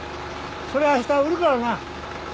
それあした売るからな。